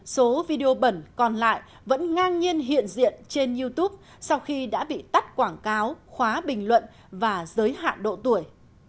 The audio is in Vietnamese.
số video bẩn còn lại vẫn ngang nhiên hiện diện trên youtube sau khi đã bị tắt quảng cáo khóa bình luận và giới hạn độ tuổi